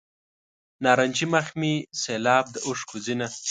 نارنجي مخ مې سیلاب د اوښکو ځینه.